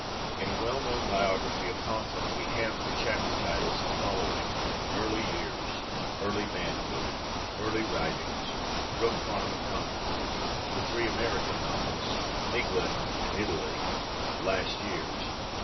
In a well known biography of Hawthorne we have for chapter titles the following: 'Early Years'; 'Early Manhood'; 'Early Writings'; 'Brook Farm and Concord'; 'The Three American Novels'; 'England and Italy'; 'Last Years.'